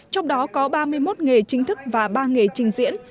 trong đó có ba mươi một nghề chính thức và ba nghề trình diễn